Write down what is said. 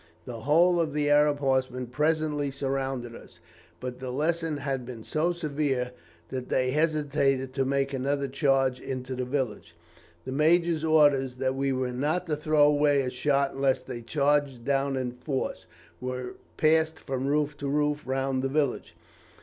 The whole of the Arab horsemen presently surrounded us, but the lesson had been so severe that they hesitated to make another charge into the village. The major's orders, that we were not to throw away a shot, unless they charged down in force, were passed from roof to roof round the village.